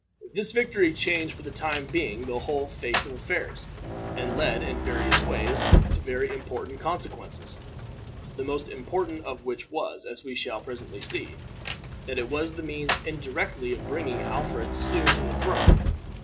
This victory changed for the time being the whole face of affairs, and led, in various ways, to very important consequences, the most important of which was, as we shall presently see, that it was the means indirectly of bringing Alfred soon to the throne.